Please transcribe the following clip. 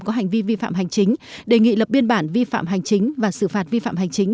có hành vi vi phạm hành chính đề nghị lập biên bản vi phạm hành chính và xử phạt vi phạm hành chính